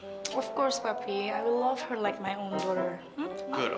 tentu saja papi saya akan sayang sama dia seperti anakku sendiri